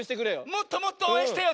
もっともっとおうえんしてよ。